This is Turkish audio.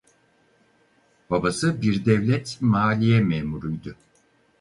Babası bir devlet maliye memuruydu.